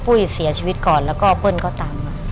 ปุ้ยเสียชีวิตก่อนแล้วก็เปิ้ลก็ตามมา